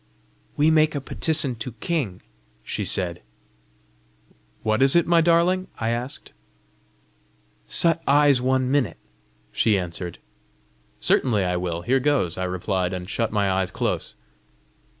"We make a petisson to king," she said. "What is it, my darling?" I asked. "Shut eyes one minute," she answered. "Certainly I will! Here goes!" I replied, and shut my eyes close.